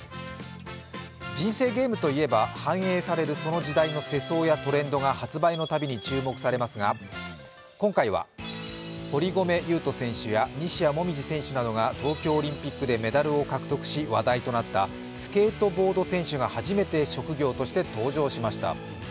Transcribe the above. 「人生ゲーム」といえば、反映されるその時代の世相やトレンドが発売のたびに注目されますが今回は、堀米雄斗選手や西矢椛選手などが東京オリンピックでメダルを獲得し、話題となったスケートボード選手が初めて職業として登場しました。